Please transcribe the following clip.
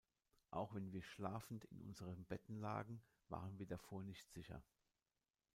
Auch wenn wir schlafend in unseren Betten lagen, waren wir davor nicht sicher.